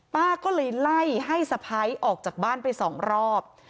ป้าก็เลยไล่ให้สะพ้ายออกจากบ้านไปสองรอบ